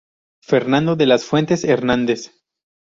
Fernando de las Fuentes Hernández.